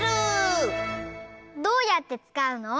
どうやってつかうの？